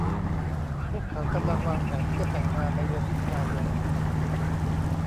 พวกเขากำลังวางแผนที่จะแต่งงานในเดือนมิถุนายน